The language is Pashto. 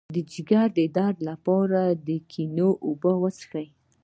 د ځیګر د درد لپاره د ګنیو اوبه وڅښئ